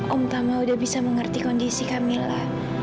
om tama sudah bisa mengerti kondisi kamila